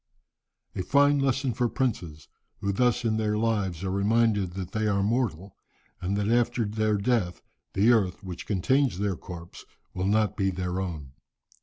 "A fine lesson for princes, who thus in their lives are reminded that they are mortal, and that after their death the earth which contains their corpse will not be their own.